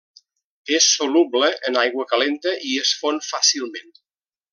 És soluble en aigua calenta i es fon fàcilment.